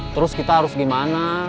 terus kita harus gimana